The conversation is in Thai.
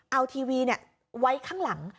เอาทีวีไว้ข้างหลัง